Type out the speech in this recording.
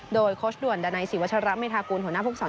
โดยโคชด่วนดาไนศรีวชรัพย์ไม่ทากูลหัวหน้าภูกษร